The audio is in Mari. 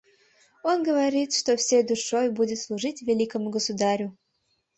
Он говорит, что всей душой будет служить великому государю.